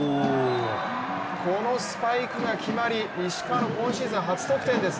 このスパイクが決まり、石川の今シーズン初得点です。